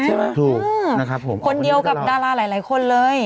ถูกนะครับผมคนเดียวกับดาราหลายคนเลย